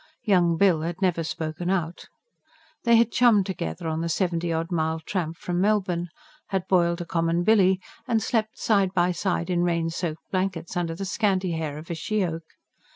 Young Bill had never spoken out. They had chummed together on the seventy odd mile tramp from Melbourne; had boiled a common billy and slept side by side in rain soaked blankets, under the scanty hair of a she oak.